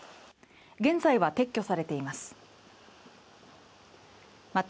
現在は撤去されていますまた